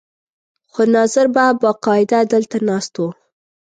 خو ناظر به باقاعده دلته ناست و.